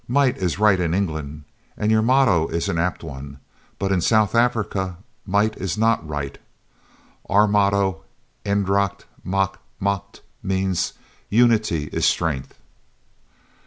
"Might is right in England, and your motto is an apt one, but in South Africa might is not right. Our motto, 'Eendracht maakt Macht,' means 'Unity is Strength.'"